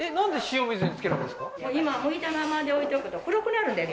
今剥いたままで置いとくと黒くなるんだよね